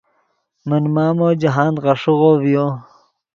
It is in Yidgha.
من مامو جاہند غیݰیغو ڤیو